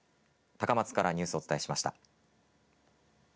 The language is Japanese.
高松からニュースをお伝えしました。